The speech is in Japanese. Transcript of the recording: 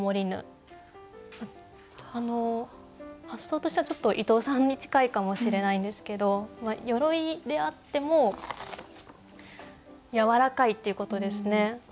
発想としてはちょっと伊藤さんに近いかもしれないんですけど鎧であってもやわらかいっていうことですね。